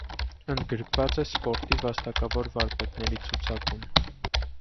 Ընդգրկված է սպորտի վաստակավոր վարպետների ցուցակում։